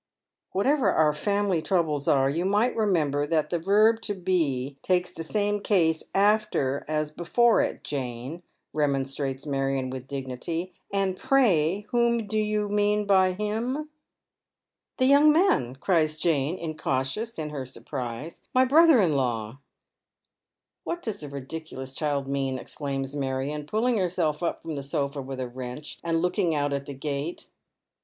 " Whatever our family troubles are, you might remember that the verb to be takes tlie same case after as before it, Jane," remonstrates Marion with dignity. " And pray whom do you ••lean by him ?"" The young man," cries Jane, incautious in her surprise. •* My brother in law." " What does the ridiculous child mean ?" exclaims Marion, pulling herself up from the sofa with a wrench, and looking out at the gate.